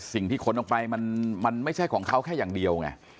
เธอบอกสิ่งที่ขนออกไปมันไม่ใช่ของเขาแค่อย่างเดียวไง